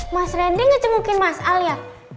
mas randy gak cengukin mas al ya